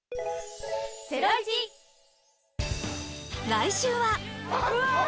来週は。